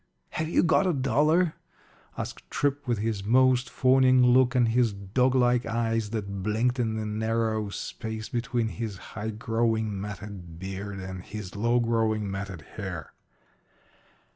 "Have you got a dollar?" asked Tripp, with his most fawning look and his dog like eyes that blinked in the narrow space between his high growing matted beard and his low growing matted hair.